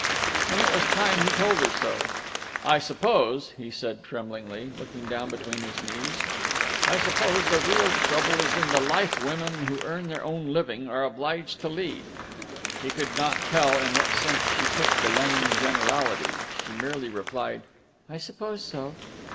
And it was time he told her so. "I suppose," he said tremblingly, looking down between his knees, "I suppose the real trouble is in the life women who earn their own living are obliged to lead." He could not tell in what sense she took the lame generality; she merely replied, "I suppose so."